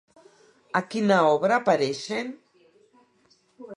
A quina obra apareixen?